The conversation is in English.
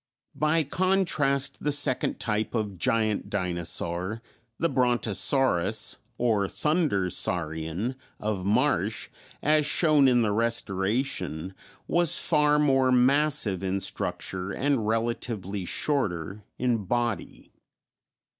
By contrast, the second type of giant dinosaur, the Brontosaurus, or "thunder saurian" of Marsh, as shown in the restoration (fig. 22), was far more massive in structure and relatively shorter in body.